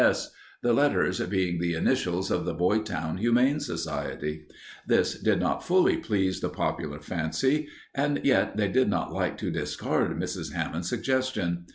S., the letters being the initials of the Boytown Humane Society. This did not fully please the popular fancy, and yet they did not like to discard Mrs. Hammond's suggestion.